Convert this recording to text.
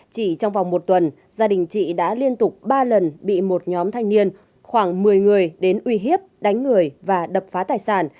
chỉ trong vòng một tuần gia đình chị đã liên tục ba lần bị một nhóm thanh niên khoảng một mươi người đến uy hiếp đánh người và đập phá tài sản